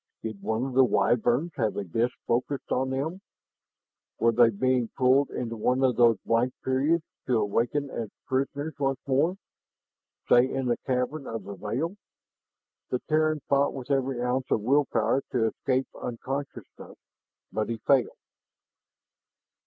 Did one of the Wyverns have a disk focused on them? Were they being pulled into one of those blank periods, to awaken as prisoners once more say, in the cavern of the veil? The Terran fought with every ounce of will power to escape unconsciousness, but he failed.